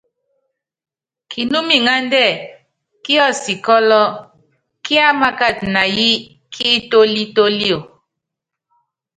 Kinúmiŋándɛ́ kiɔ́sikɔ́lɔ, kiámákat na yí ki itólítólio.